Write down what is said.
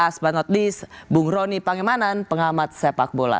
aspanot list bung roni pangemanan pengamat sepak bola